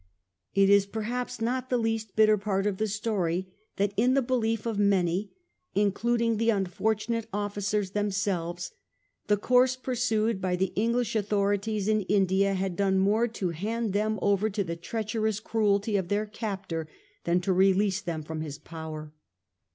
It is perhaps not the least bitter part of the story, that in the belief of many, including the unfortunate officers themselves, the course pursued by the English authorities in India had done more to hand them over to the treacherous cruelty of their captor than to release them from his power.